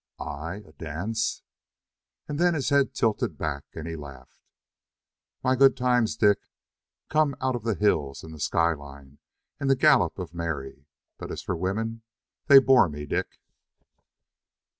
"I? A dance?" And then his head tilted back and he laughed. "My good times, Dick, come out of the hills and the skyline, and the gallop of Mary. But as for women, they bore me, Dick."